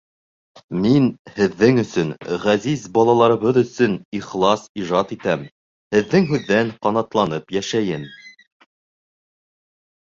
Мин һеҙҙең өсөн, ғәзиз балаларыбыҙ өсөн ихлас ижад итәм, һеҙҙең һүҙҙән ҡанатланып йәшәйем.